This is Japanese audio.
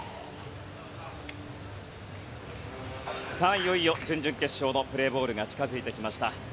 いよいよ準々決勝のプレーボールが近づいてきました。